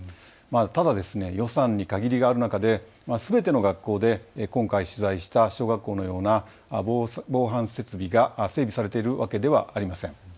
ただ予算に限りがある中ですべての学校で今回取材した小学校のような防犯設備が整備されているわけではありません。